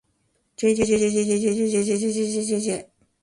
jjjjjjjjjjjjjjjjj